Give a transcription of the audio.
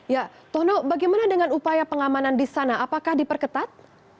ya tono bagaimana dengan upaya pengamanan di sana apakah diperketat